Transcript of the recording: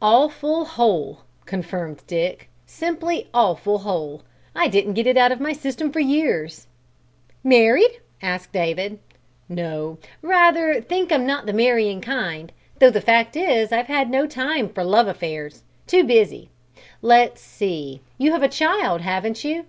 "Awful hole!" confirmed Dick. "Simply awful hole! I didn't get it out of my system for years." "Married?" asked David. "No; rather think I'm not the marrying kind, though the fact is I've had no time for love affairs too busy. Let's see, you have a child, haven't you?"